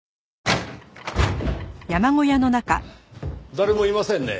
誰もいませんね。